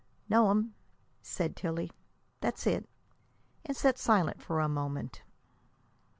"No'm," said Tillie; "that's it." And sat silent for a moment.